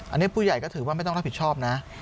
อันนี้ผู้ใหญ่ก็ถือว่าไม่ต้องรับผิดชอบนะ